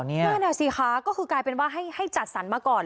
นั่นน่ะสิคะก็คือกลายเป็นว่าให้จัดสรรมาก่อน